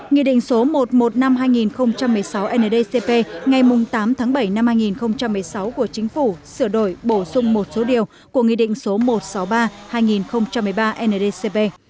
nghị định số một trăm một mươi năm hai nghìn một mươi sáu ndcp ngày tám tháng bảy năm hai nghìn một mươi sáu của chính phủ sửa đổi bổ sung một số điều của nghị định số một trăm sáu mươi ba hai nghìn một mươi ba ndcp